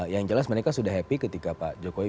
yang jelas mereka sudah happy ketika pak jokowi